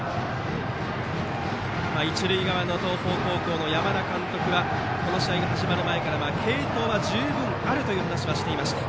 一塁側の東邦高校の山田監督はこの試合が始まる前から、継投は十分あるという話をしていました。